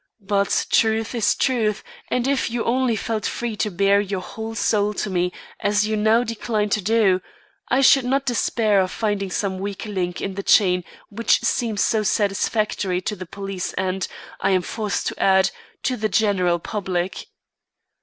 But truth is truth, and if you only felt free to bare your whole soul to me as you now decline to do, I should not despair of finding some weak link in the chain which seems so satisfactory to the police and, I am forced to add, to the general public."